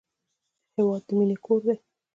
هېواد د مینې کور دی.